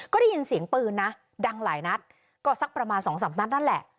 ก็ได้ยินเสียงปืนนะดังหลายนัดก็สักประมาณสองสามนัดนั่นแหละ